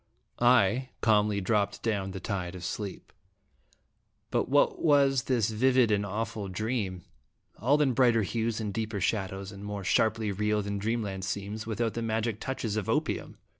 I calmly dropped down the tide of sleep but what was this vivid and awful dream all in brighter hues and deeper shadows, and more sharply real than Dreamland seems, without the magic touches of opium?